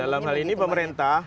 dalam hal ini pemerintah